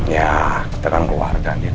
ya kita kan keluarga din